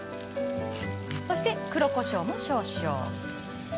そして黒こしょうも少々。